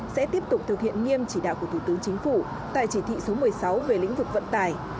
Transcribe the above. sẽ tiếp tục thực hiện nghiêm chỉ đạo của thủ tướng chính phủ tại chỉ thị số một mươi sáu về lĩnh vực vận tải